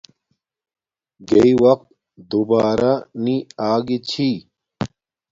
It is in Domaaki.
گݵی وقت دوبارہ نی آگی چھی